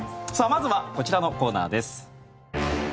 まずはこちらのコーナーです。